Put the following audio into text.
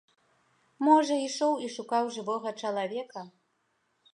Можа, ішоў і шукаў жывога чалавека?